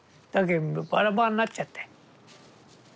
だけどバラバラになっちゃって。